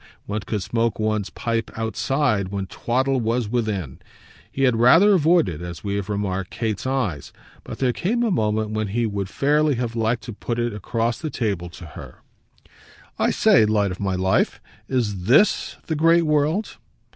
One could smoke one's pipe outside when twaddle was within. He had rather avoided, as we have remarked, Kate's eyes, but there came a moment when he would fairly have liked to put it across the table, to her: "I say, light of my life, is THIS the great world?"